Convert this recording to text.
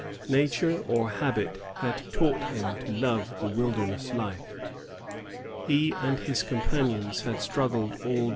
Nature, or habit, had taught him to love the wilder* ness life. He and his companions had struggled all 1664.] FATHER LE MOYKE.